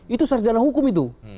itu sarjana hukum itu